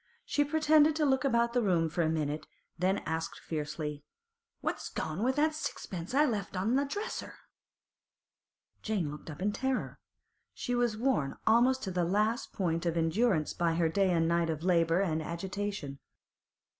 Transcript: She pretended to look about the room for a minute, then asked fiercely: 'What's gone with that sixpence I left on the dresser?' Jane looked up in terror. She was worn almost to the last point of endurance by her day and night of labour and agitation.